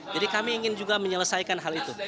kami ingin juga menyelesaikan hal itu